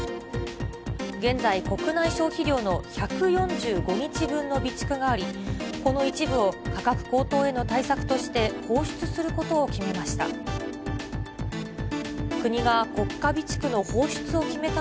現在、国内消費量の１４５日分の備蓄があり、この一部を価格高騰への対策として放出することを決めました。